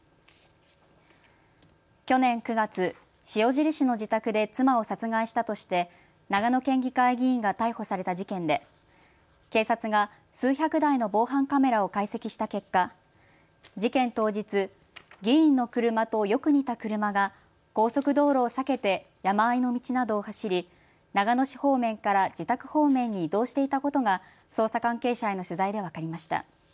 去年９月、塩尻市の自宅で妻を殺害したとして長野県議会議員が逮捕された事件で警察が数百台の防犯カメラを解析した結果、事件当日、議員の車とよく似た車が高速道路を避けて山あいの道などを走り長野市方面から自宅方面に移動していたことが捜査関係者への取材で分かりました。